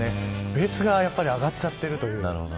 ベースが上がっちゃっているというか。